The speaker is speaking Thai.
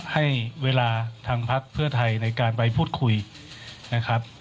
ให้เวลาทางพักเพื่อไทยในการไปพูดคุยนะครับ